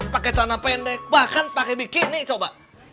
pakai celana pendek bahkan pakai bikini coba